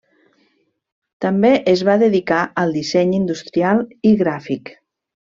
També es va dedicar al disseny industrial i gràfic.